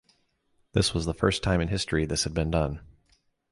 This was the first time in history this had been done.